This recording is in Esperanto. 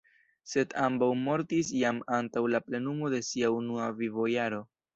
Sed ambaŭ mortis jam antaŭ la plenumo de sia unua vivojaro.